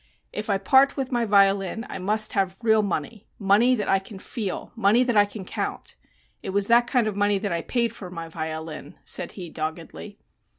"If I part with my violin I must have real money money that I can feel money that I can count. It was that kind of money that I paid for my violin," said he doggedly.